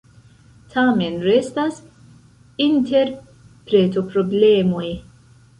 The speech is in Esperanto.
Tamen restas interpretoproblemoj.